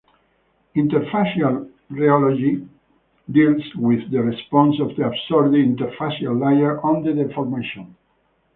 Interfacial rheology deals with the response of the adsorbed interfacial layer on the deformation.